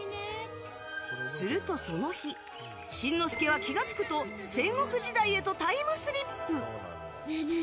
すると、その日しんのすけは気が付くと戦国時代へとタイムスリップ。